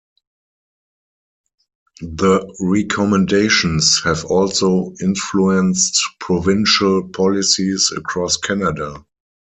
The recommendations have also influenced provincial policies across Canada.